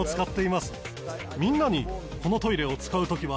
みんなにこのトイレを使う時は。